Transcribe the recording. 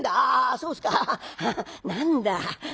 「あそうっすか。何だ。